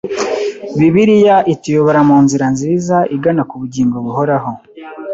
Bibiliya ituyobora mu nzira nziza igana ku bugingo buhoraho